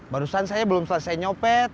barusan saya belum selesai nyopet